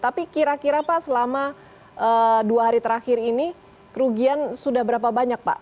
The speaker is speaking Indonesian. tapi kira kira pak selama dua hari terakhir ini kerugian sudah berapa banyak pak